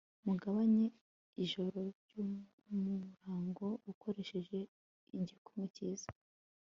mugabanye ijoro n'umurango ukoresheje igikumwe cyiza